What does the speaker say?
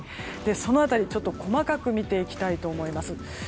その辺り細かく見ていきたいと思います。